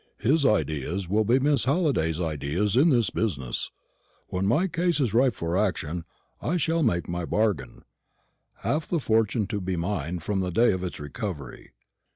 His ideas will be Miss Halliday's ideas in this business. When my case is ripe for action, I shall make my bargain half the fortune to be mine from the day of its recovery.